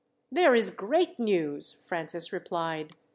"There is great news," Francis replied.